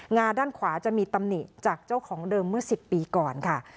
งาด้านขวาจะมีตำหนิจากเจ้าของเดิมเมื่อ๑๐ปีก่อนค่ะ